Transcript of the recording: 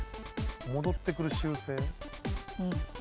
戻ってくる習性？